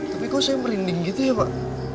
tapi kok saya merinding gitu ya pak